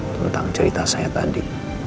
tentang cerita saya tadi